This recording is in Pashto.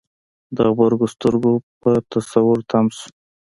د غبرګو سترګو په تصوير تم شو.